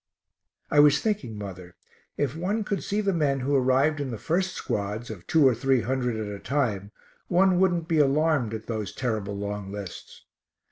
I was thinking, mother, if one could see the men who arrived in the first squads, of two or three hundred at a time, one wouldn't be alarmed at those terrible long lists.